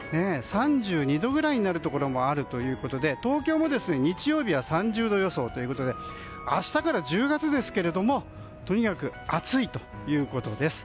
３２度ぐらいになるところもありまして東京も日曜日は３０度予想ということで明日から１０月ですがとにかく暑いということです。